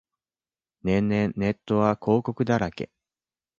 年々ネットは広告だらけ